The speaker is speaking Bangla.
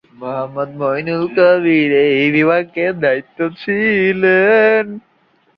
মোহাম্মদ মইনুল কবির এই বিভাগের দায়িত্বে থাকা সচিব।